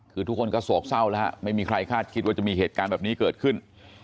คือทุกคนก็โศกเศร้าแล้วฮะไม่มีใครคาดคิดว่าจะมีเหตุการณ์แบบนี้เกิดขึ้น